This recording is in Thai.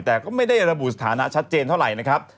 แต่ก็ไม่ได้ระบุสถานะชัดเจนเท่าไหร่นะครับ